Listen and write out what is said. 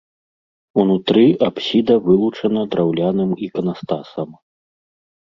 Унутры апсіда вылучана драўляным іканастасам.